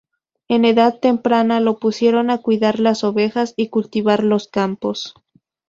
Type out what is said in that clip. En edad temprana lo pusieron a cuidar las ovejas y cultivar los campos.